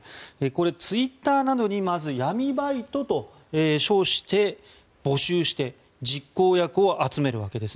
ツイッターなどにまず、闇バイトと称して募集して実行役を集めるわけです。